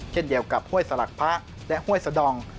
เช่นเดียวกับห้วยสลักพระและห้วยสดอง